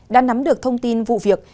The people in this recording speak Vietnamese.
đã nắm được thông tin vụ việc